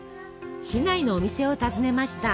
市内のお店を訪ねました。